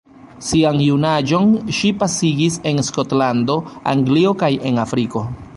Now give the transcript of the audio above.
Sian junaĝon ŝi pasigis en Skotlando, Anglio kaj en Afriko.